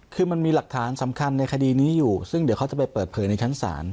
คือมันมีหลักฐานสำคัญในคดีนี้อยู่ซึ่งเดี๋ยวเขาจะไปเปิดเผยในชั้นศาล